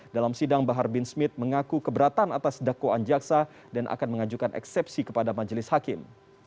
dalam sidang bahar bin smith mengaku keberatan atas dakwaan jaksa dan akan mengajukan eksepsi kepada majelis hakim